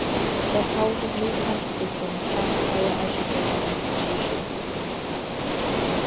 It houses new campuses from ten higher education institutions.